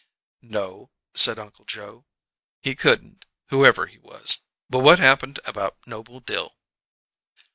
"No," said Uncle Joe. "He couldn't, whoever he was. But what happened about Noble Dill?"